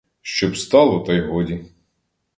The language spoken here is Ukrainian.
Щоб стало, та й годі!